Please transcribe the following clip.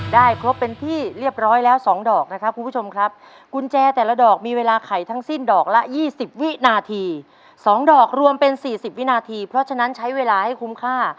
ได้ครบเป็นที่เรียบร้อยแล้ว๒ดอกนะครับคุณผู้ชมครับกุญแจแต่ละดอกมีเวลาไขทั้งสิ้นดอกละ๒๐วินาที๒ดอกรวมเป็น๔๐วินาทีเพราะฉะนั้นใช้เวลาให้คุ้มค่า